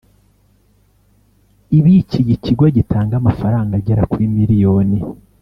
ibikiye ikigo gitanga amafaranga agera kuri miliyoni